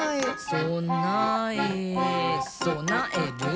「そなえそなえる！」